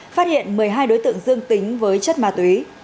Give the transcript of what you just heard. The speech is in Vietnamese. phát hiện một mươi hai đối tượng dương tính với chất ma túy